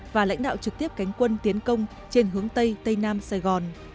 và lãnh đạo trực tiếp cánh quân tiến công trên hướng tây tây nam sài gòn